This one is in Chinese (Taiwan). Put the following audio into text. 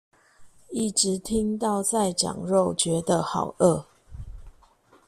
一直聽到在講肉覺得好餓